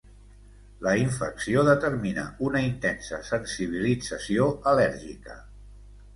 La infecció determina una intensa sensibilització al·lèrgica.